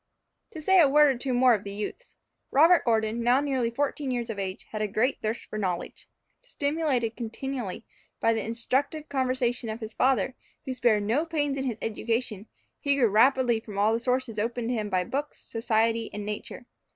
To say a word or two more of the youths; Robert Gordon, now nearly fourteen years of age, had a great thirst for knowledge. Stimulated continually by the instructive conversation of his father, who spared no pains in his education, he drew rapidly from all the sources opened to him by books, society, and nature.